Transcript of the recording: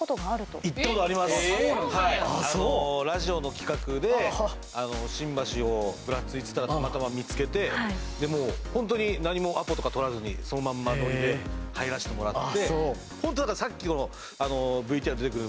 ラジオの企画で新橋をぶらついてたらたまたま見つけてでもう本当に何もアポとか取らずにそのまんまノリで入らせてもらってホントだからさっきのＶＴＲに出てくる